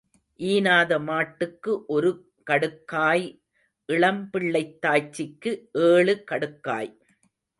ஈனாத மாட்டுக்கு ஒரு கடுக்காய் இளம் பிள்ளைத்தாய்ச்சிக்கு ஏழு கடுக்காய்.